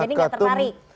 jadi gak tertarik